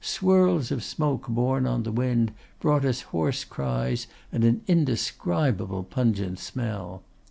Swirls of smoke borne on the wind brought us hoarse cries and an indescribable pungent smell.